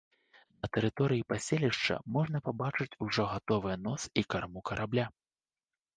На тэрыторыі паселішча можна пабачыць ужо гатовыя нос і карму карабля.